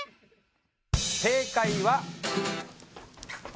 正解は。